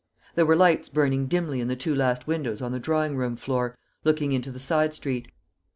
There were lights burning dimly in the two last windows on the drawing room floor looking into the side street.